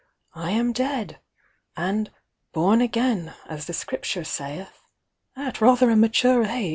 I am clead! and 'born aKain ' as the Scripture saith, at rather a manure S!